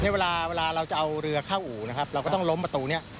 เวลาเวลาเราจะเอาเรือเข้าอู่นะครับเราก็ต้องล้มประตูนี้